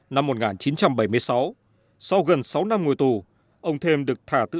năm một nghìn chín trăm bảy mươi sáu sau gần sáu năm ngồi tù